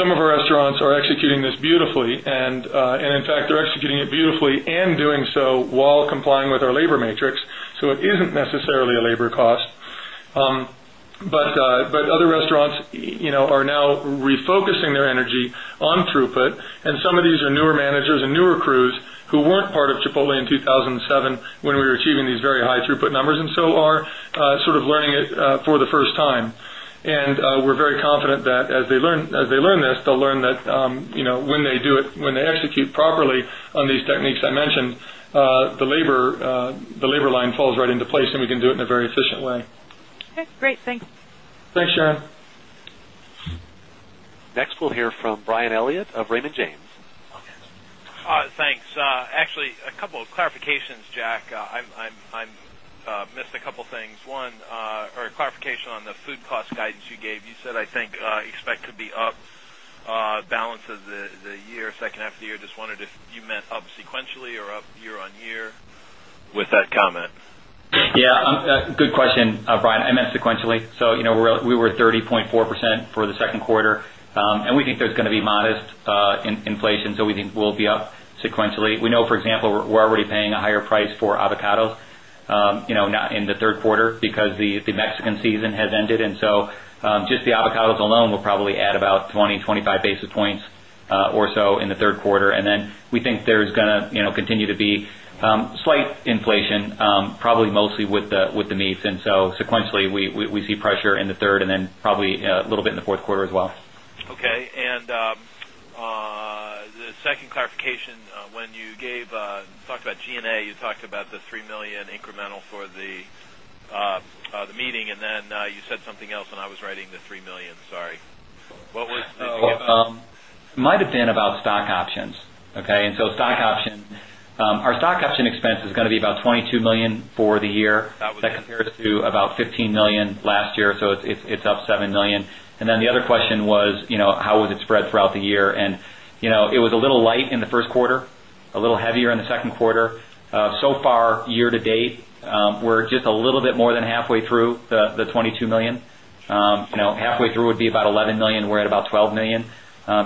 Some of our restaurants are executing this beautifully. And in fact they're executing it beautifully and doing so while complying with our labor matrix. So it isn't necessarily a labor cost. But other restaurants are now refocusing their energy on throughput and some of these are newer managers and newer crews who weren't part of Chipotle in 2007 when we were achieving these very high throughput numbers and so are sort of learning it for the first time. And we're very confident that as they learn this, they'll learn that when they do it, when they execute properly on these techniques I mentioned, the labor line falls right into place and we can do it in a very efficient way. Next, we'll hear from Brian Elliott of Raymond James. Thanks. Actually a couple of clarifications, Jack. I missed a couple of things. 1, a clarification on the food cost guidance you gave. You said I think expect to be up balance of the year, second half of the year. Just wondered if you meant up sequentially or up year on year with that comment? Yes. Good question, Brian. I meant sequentially. So we were 30.4% for the Q2, and we think there's going to be modest inflation. So, we think we'll be up sequentially. We know, for example, we're already paying a higher price for avocados in the Q3 because the Mexican season has ended. And so just the avocados alone will add about 20, 25 basis points or so in the Q3. And then we think there is going to continue to be slight inflation probably mostly with the meats. And so sequentially we see pressure in the 3rd and then probably a little bit in the 4th quarter as well. Okay. And the second clarification, when you gave talked about G and A, you talked about the $3,000,000 incremental for the meeting and then you said something else and I was writing the $3,000,000 sorry. What was the It might have been about stock options, okay. So stock option, our stock option expense is going to be about $22,000,000 for the year that compares to about $15,000,000 last year. So it's up $7,000,000 And then the other question was, how was it spread throughout the year? And it was a little light in the Q1, a little heavier in the Q2. So far year to date, we're just a little bit more than halfway through the 22 11,000,000. We're at about 12,000,000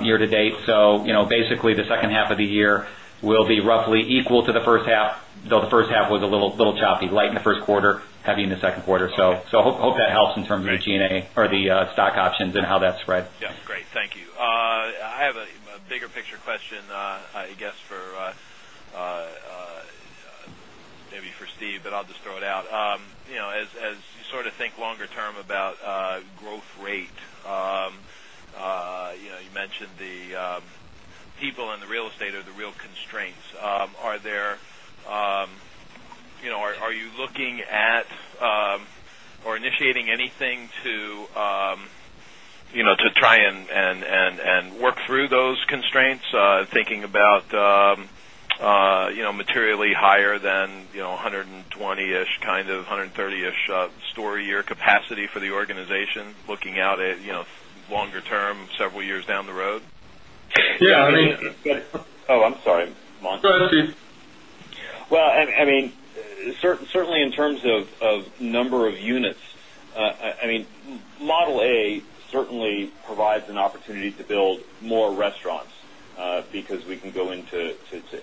year to date. So basically the second half of the year will be roughly equal to the first half, though the first half was a little choppy, light in the Q1, heavy in the Q2. So, I hope that helps in terms of the G and A or the stock options and how that spreads. Yes, great. Thank you. I have a bigger picture question, I guess for maybe Steve, but I'll just throw it out. As you sort of think longer term about growth rate, you mentioned the people in the real estate are the real constraints. Are there are you looking at or initiating anything to try and work through those constraints, thinking about materially higher than 120 ish kind of 130 ish store a year capacity for the organization looking out at longer term several years down the road? Yes. I mean Oh, I'm sorry. Well, I mean, certainly in terms of number of units, I mean, Model A certainly provides an opportunity to build more restaurants because we can go into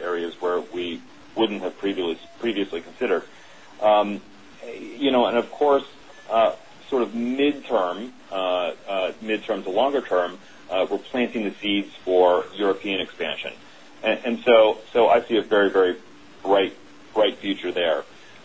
areas where we wouldn't have previously considered. And of course, sort of mid term to longer term, we're planting the seeds for European expansion. And so I see a very, very bright future there.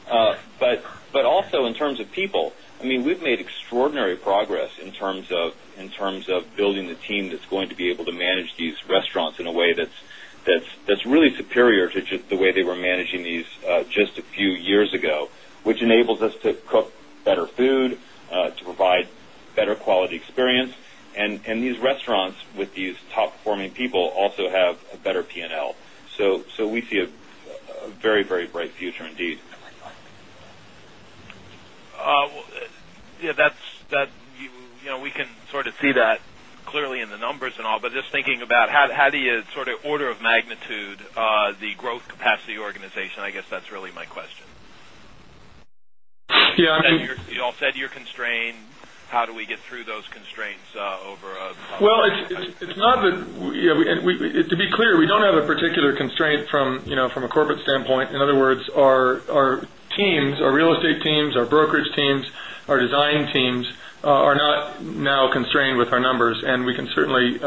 But also in terms of people, I mean, we made extraordinary progress in terms of building the team that's going to be able to manage these restaurants in a way that's really superior to just the way they were managing these just a few years ago, which enables us to cook better food, to provide better quality experience. And these restaurants with these top performing people also have a better P and L. So we see a very, very bright future indeed. We can sort of see that clearly in the numbers and all, but just about how do you sort of order of magnitude the growth capacity organization, I guess that's really my question. You all said you're constraint, how do we get through those constraints over a Well, it's not that to be clear, we don't have a particular constraint from a corporate standpoint. In other words, our teams, our real estate teams, our brokerage teams, our design teams are not now constrained with our numbers and we can certainly achieve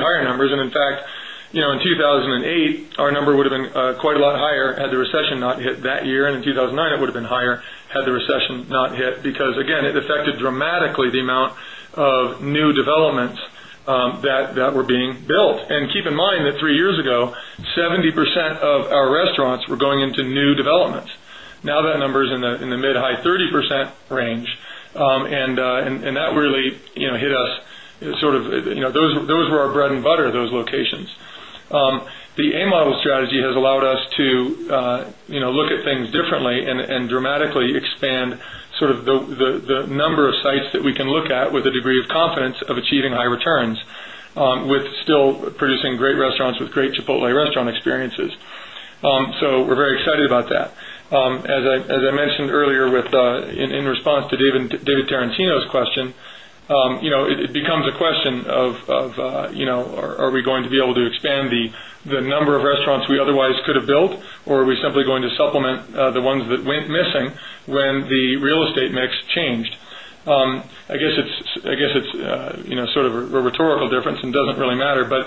higher numbers. And in fact, in 2,008, our number would have been quite a lot higher had the recession not hit that year and in 2,009 it would have been higher had the recession not hit, because again it affected dramatically the amount of new developments mid high 30% range and that really hit us sort of those were our bread and butter, those locations. The A Model strategy has allowed us to look at things differently and dramatically expand sort of the number of sites that we look at with a degree of confidence of achieving high returns with still producing great restaurants with great Chipotle restaurant experiences. So we're very excited about that. As I mentioned earlier with in response to David Tarantino's question, it becomes a question of are we going to be able to expand the number of restaurants we otherwise a rhetorical difference and doesn't really matter, but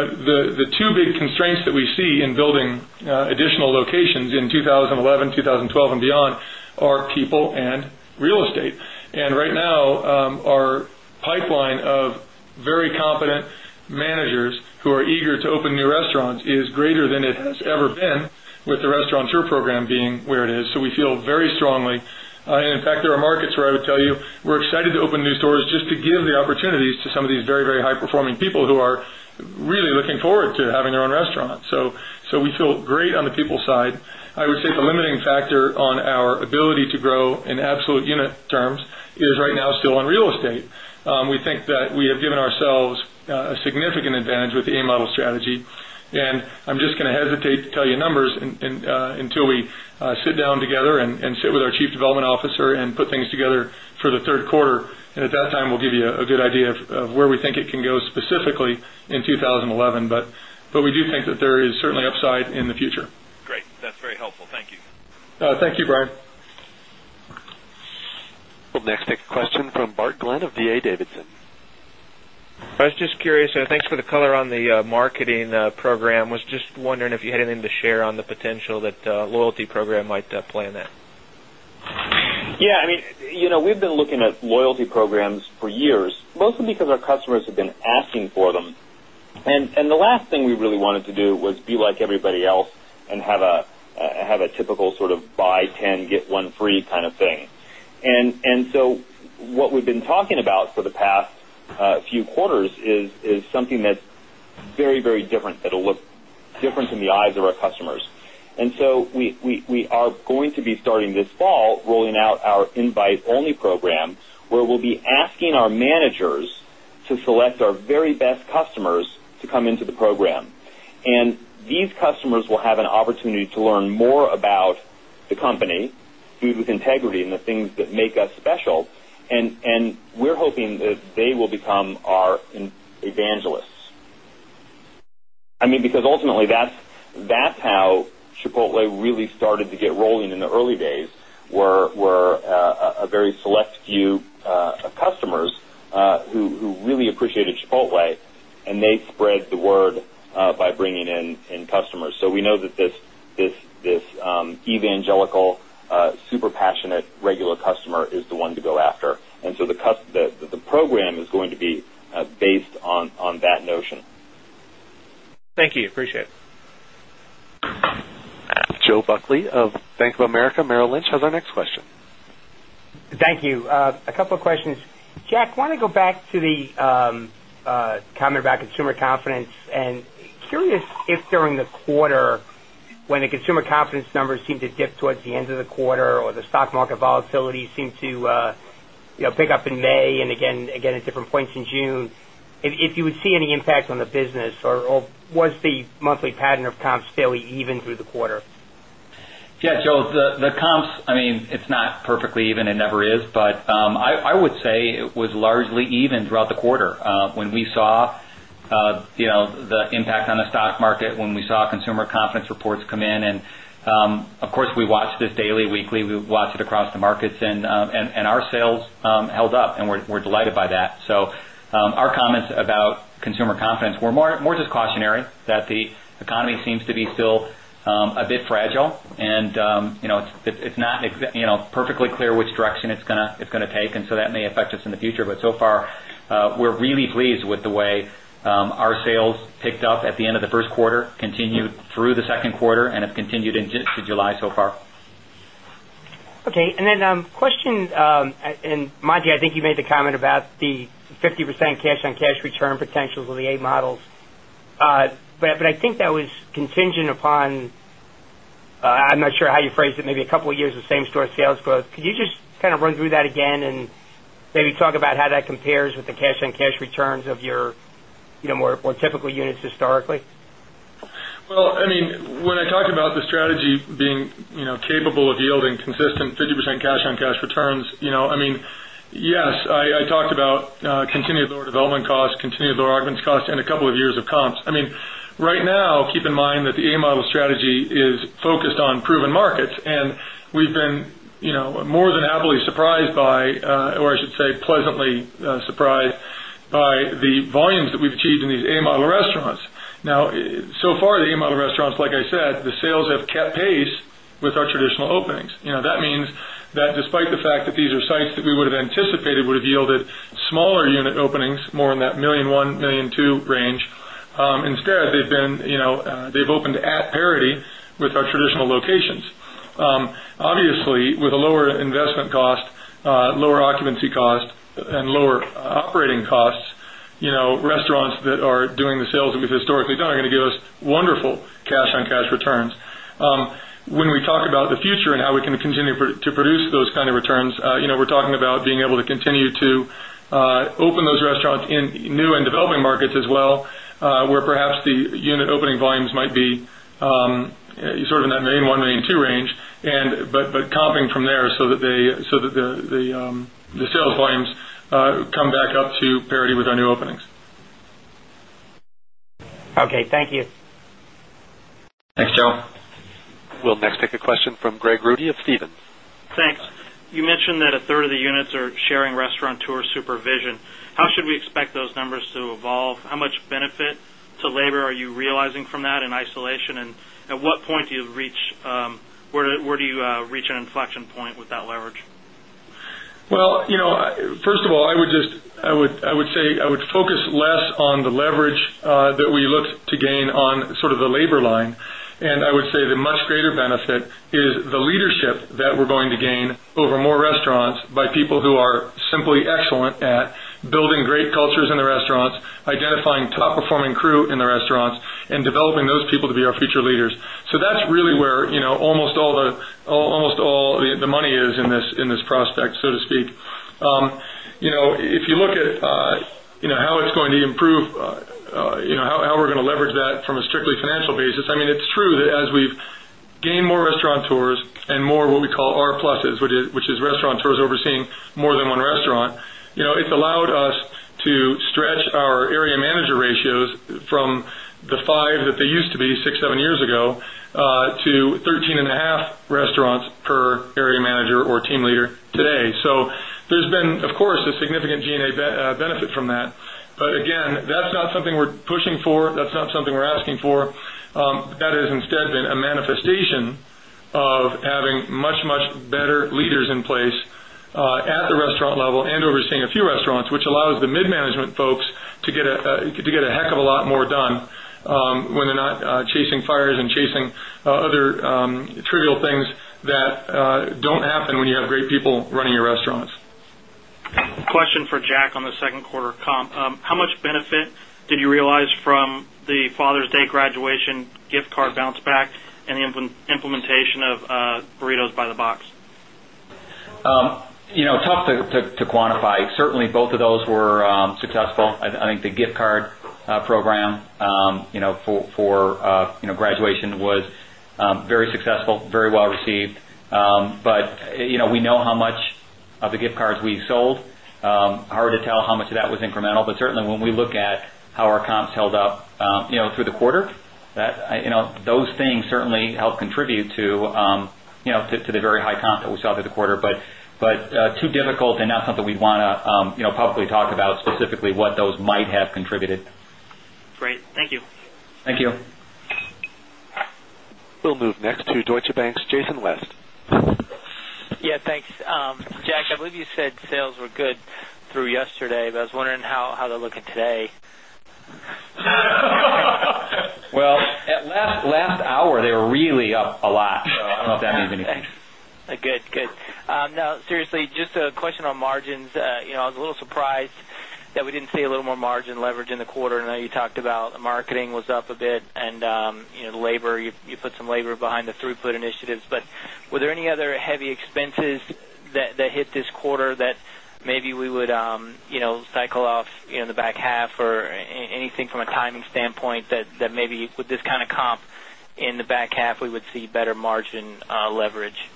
the 2 big constraints that we see in building additional locations in 2011, 2012 and beyond are people and real estate. And right now, our pipeline of very competent managers who are eager to open new restaurants is greater than it has ever been with the restaurant tour program being where it is. So we feel very strongly. And in fact, there are markets where I would tell you, we're excited to open new stores just to give the opportunities to some of these very, very high performing people who are really looking forward to having their own restaurants. So, we feel great on the people side. I would say the limiting factor on our ability to grow in absolute unit terms is right now still on real estate. We think that we have given ourselves a significant advantage with the A Model strategy. And I'm just going to hesitate to tell you numbers until we sit down together and sit with our Chief Development Officer and put things together for the Q3. And at that time, we'll give you a good idea of where we think it can go specifically in 2011. But we do think that there is certainly upside in the future. Great. That's very helpful. Thank you. Thank you, Brian. We'll next take a question from Bart Glynn of D. A. Davidson. I was just curious, thanks for the color on the marketing program. I was just wondering if you had anything to share on the potential that loyalty program might play in that? Yes. I mean, we've been looking at loyalty programs for years, mostly because our customers have been asking for them. And the last thing we really wanted to do was be like everybody else and have a typical sort of buy 10 get one free kind of thing. And so what we've been talking about for the past few quarters is something that's very, very different that will look different in the eyes of our customers. And so we are going to be starting this fall rolling out our invite only program where we'll be asking our managers to select learn more about the company, food with integrity and the things that make us special. And we're hoping that they will become our evangelists. I mean, because ultimately that's how Chipotle really started to get rolling in the early days, where a very select few customers who really appreciated Chipotle and they spread the word by bringing in customers. So we know that this evangelical super passionate regular customer is the one to go after. And so the program is going to be based on that notion. Thank you. Appreciate it. Joe Buckley of Bank of America Merrill Lynch has our next question. Thank you. A couple questions. Jack, I want to go back to the comment about consumer confidence and curious if during the quarter when the consumer confidence numbers seem to dip towards the end of the quarter or the stock market volatility seem to pick up in May and again at different points in June. If you would see any impact on the business or was the monthly pattern of comps fairly even through the quarter? Yes, Joe. The comps, I mean, it's not perfectly even, it never is, but I would say it was largely even throughout the quarter. When we saw the stock market, when we saw consumer confidence reports come in. And of course, we watch this daily, weekly. We watch it across the markets and our sales held up and we're delighted by that. So, our comments about consumer confidence were more just cautionary that the economy seems to be still a bit fragile and it's not perfectly clear which direction it's going to take and so that may affect us in the future. But so far, we're really pleased with the way our sales picked up at the end of the Q1, continued through the Q2 and have continued into July so far. Okay. And then question and mind you I think you made the comment about the 50% cash on cash return potentials of the A models. But I think that was contingent upon, I'm not sure how you phrased it, maybe a couple of years of same store sales growth. Could you just kind of run through that again and maybe talk about how that compares with the cash on cash returns of your more typical units historically? Well, I mean, when I talked about the strategy being capable of yielding consistent 50% cash on cash returns, I mean, yes, I talked about continued lower development costs, continued lower augments costs and a couple of years of comps. I mean, Right now, keep in mind that the A Model strategy is focused on proven markets and we've been more than happily surprised by or I should say pleasantly surprised by the volumes that we've achieved in these A Model Restaurants. Now, so far the A Model Restaurants, like I said, the sales have kept pace with our traditional openings. That means that despite the fact that these are sites that we would have anticipated would have yielded smaller unit openings more in that 1,100,000 dollars 1,200,000 range. Instead, they've been they've opened at parity with our traditional locations. Obviously, with a lower investment cost, lower occupancy cost and lower operating costs, restaurants that are doing the sales we've historically done are going to give us wonderful cash on cash returns. When we talk about the future and how we can continue to produce those kind of returns, we're talking about being able to continue to open those restaurants in new and developing markets as well, where perhaps the unit opening volumes might be sort of in that 1,000,001,000,000 dollars range and but comping from there so that the sales volumes come back up to parity with our new where do you reach an inflection point with that leverage? Well, first of all, I would just I would say I would focus less on the leverage that we look to gain on sort of the labor line. And I would the much greater benefit is the leadership that we're going to gain over more restaurants by people who are simply excellent at building great cultures in in the restaurants, identifying top performing crew in the restaurants and developing those people to be our future leaders. So that's really where almost all the money is in this prospect, so to speak. If you look at how it's going to improve, how we're going to leverage that from a strictly financial basis. I mean it's true that as we've gained more restaurant tours and more what we call our pluses, which is restaurant tours over seeing more than one restaurant. It's allowed us to stretch our area manager ratios from the 5 that they used to be 6, 7 years ago to 13.5 restaurants per area manager or team leader today. So, there's been of course a significant G and A benefit from that. But again, that's not something we're pushing for. That's not something we're asking for. That has instead been a manifestation of having much better leaders in place at the restaurant level and overseeing a few restaurants, which allows the mid management folks to get a heck of a lot more done when they're not chasing fires and chasing other trivial things that don't happen when you have great people running your restaurants. Question for Jack on the Q2 comp. How much benefit did you realize from the Father's Day graduation gift card bounce back and the implementation of burritos by the box? Tough to quantify. Certainly, both those were successful. I think the gift card program for graduation was very successful, very well received, But we know how much of the gift cards we sold, hard to tell how much of that was incremental, but certainly when we look at how our comps held up through the quarter, those things certainly help contribute to the very high comp that we saw through the quarter, but too difficult and not something we want to publicly talk about specifically what those might be. Next to Deutsche Bank's Jason West. Yes, thanks. Move next to Deutsche Bank's Jason West. Yes, thanks. Jack, I believe you said sales were good through yesterday, but I was wondering how they're looking today? Well, at last hour, they were really up a lot. I don't know if that means anything. Good, good. Now, seriously, just a question on margins. I was a little surprised that we didn't see a little more margin leverage in the quarter. I know you talked about marketing was up a bit and labor, you put some labor behind the throughput initiatives. But were there any other heavy expenses that hit this quarter that maybe we would cycle off in the back half or anything from a timing standpoint that maybe with this kind of comp in the back half we would see better margin leverage?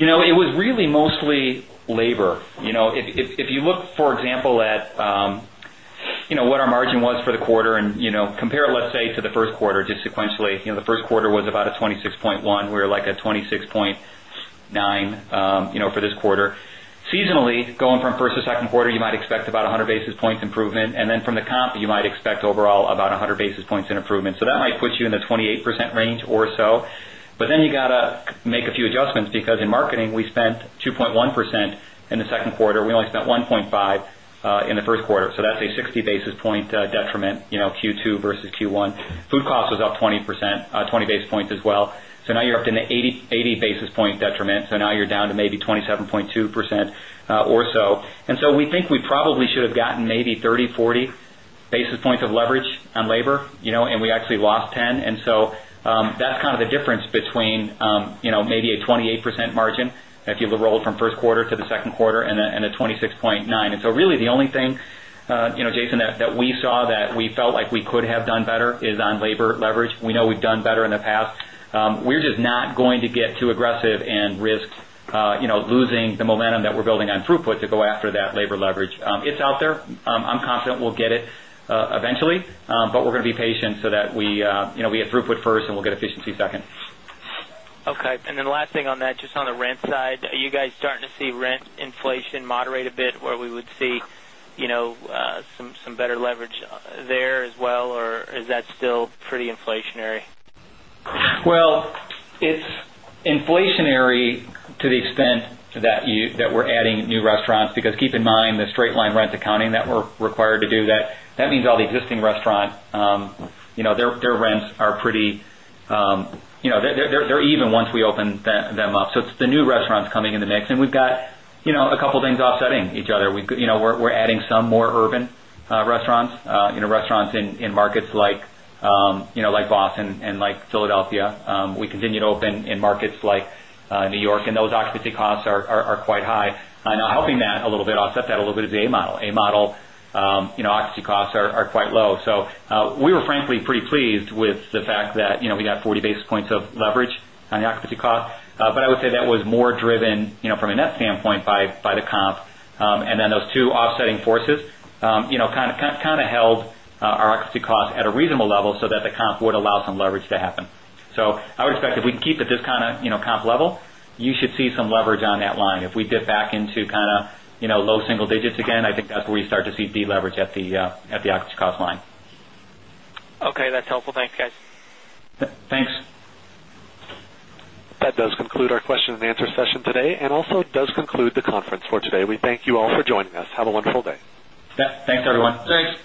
It was really mostly labor. If you look for example at what our margin was for the quarter and compare let's say to the Q1 sequentially, the Q1 was about a 26.1, we're like a 26.9 for this quarter. Seasonally, going from 1st to 2nd quarter, you might expect about 100 basis points improvement and then from the comp, you might expect overall about 100 basis points in improvement. So that might put you in the 28% range or so, but then you got to make a few adjustments because in marketing, we spent 2.1% in the 2nd quarter. We only spent 1.5% in the 1st quarter. So that's a 60 basis point detriment Q2 versus Q1. Food cost was up 20 basis points as well. So now you're up to 80 basis point detriment. So now you're down to maybe 20 7.2% or so. And so we think we probably should have gotten maybe 30, 40 basis points of leverage on labor and we actually lost 10. And so that's kind of the difference between maybe a 28% margin if you have the roll from Q1 to the 2nd quarter and a 26.9%. And so really the only thing, Jason, that we saw that better in the past. We're just not going to get too aggressive and risk losing the momentum that we're building on throughput to go after that labor leverage. It's out there. I'm confident we'll get it eventually, but we're going to be patient so that we have throughput first and we'll get efficiency second. Okay. And then last thing on that, just on the rent side, are you guys starting to see rent inflation moderate a bit where we would see some better leverage there as well or is that still pretty inflationary? Well, it's inflationary to the extent that we're adding new restaurants because keep in mind the straight line rents accounting that we're required to do that, that means all the existing restaurant, their rents are pretty they're even once we open them up. So it's the new restaurants coming in the mix and we've got a couple of things offsetting each other. We're adding some more urban restaurants, restaurants in markets like Boston and like Philadelphia. We continue to open in markets like New York and those occupancy costs are quite high. And helping that a little bit offset that a little bit is A Model. A Model occupancy costs are quite low. So we were frankly pretty pleased with the fact that we got 40 basis points of leverage on the occupancy cost. But I would say that was more driven from a net standpoint by the comp. And then those 2 offsetting forces see some leverage on that line. If we dip back into kind of low single digits again, I think that's where we start to see deleverage at the cost line. Okay, that's helpful. Thanks guys. Thanks. That does conclude our question and answer session today and also does conclude the conference for today. We thank you all for joining us. Have a wonderful day. Thanks everyone. Thanks.